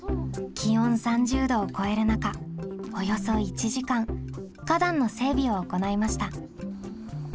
気温３０度を超える中およそ１時間花壇の整備を行いました。